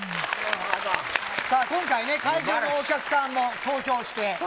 今回会場のお客さんも投票して。